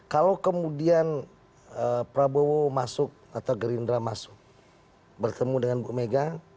kalau kemudian prabowo masuk atau gerindra masuk bertemu dengan bu mega